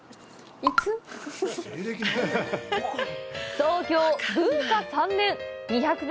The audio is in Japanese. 創業文化３年。